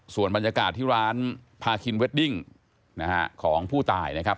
ส่วนบรรยากาศที่ร้านพาคินเวดดิ้งนะฮะของผู้ตายนะครับ